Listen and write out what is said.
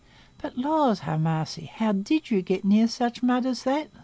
"But Lors ha' massy, how did you get near such mud as that?"